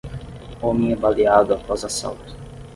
Homem é baleado após assalto